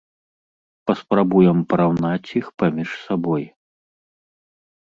Паспрабуем параўнаць іх паміж сабой.